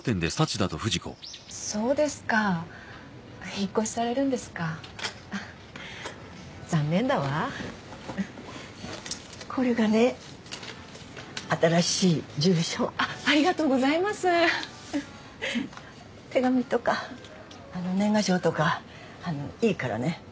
そうですか引っ越しされるん残念だわこれがね新しい住所あっありがと手紙とか年賀状とかいいからね